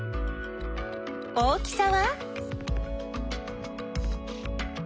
大きさは？